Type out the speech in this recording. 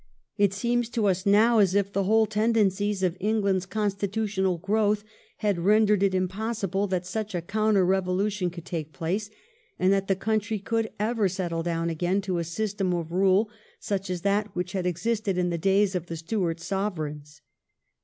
It seems to us now as if the whole tendencies of England's constitutional growth had rendered it im possible that such a counter revolution could take place, and that the country would ever settle down again to a system of rule such as that which had existed in . the days of the Stuart Sovereigns.